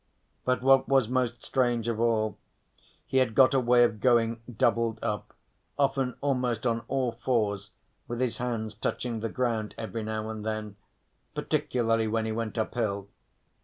But what was most strange of all, he had got a way of going doubled up, often almost on all fours with his hands touching the ground every now and then, particularly when he went uphill.